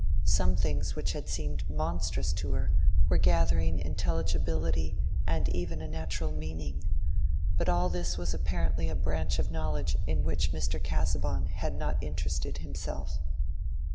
Some things which had seemed monstrous to her were gathering intelligibility and even a natural meaning: but all this was apparently a branch of knowledge in which Mr. Casaubon had not interested himself.